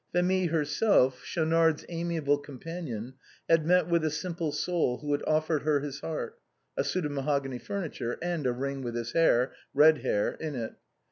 Phémie herself, Schaunard's amiable companion, had met with a simple soul who had offered her his heart, a suit of mahogany furniture, and a ring with his hair — red hair — in it.